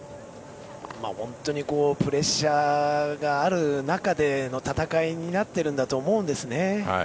本当にプレッシャーがある中での戦いになっているんだと思うんですね。